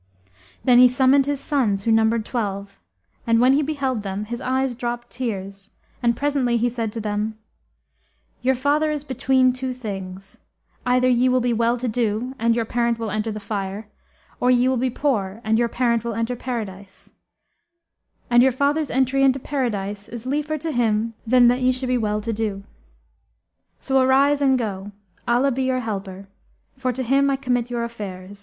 Then he summoned his sons who numbered twelve, and when he beheld them his eyes dropped tears and presently he said to them, 'Your Father is between two things; either ye will be well to do, and your parent will enter the fire, or ye will be poor and your parent will enter Paradise; and your father's entry into Paradise is liefer to him than that ye should be well to do.[FN#294] So arise and go, Allah be your helper, for to Him I commit your affairs!'